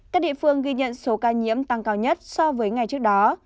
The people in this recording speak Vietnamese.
các địa phương ghi nhận số ca nhiễm tăng cao nhất so với ngày trước đó